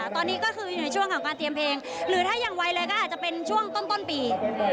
ตอนนี้ก็คืออยู่ในช่วงของการเตรียมเพลงหรือถ้าอย่างไวเลยก็อาจจะเป็นช่วงต้นปี